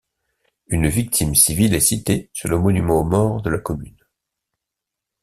Une victime civile est citée sur le monument aux morts de la commune.